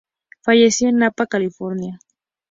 Falleció en Napa, California.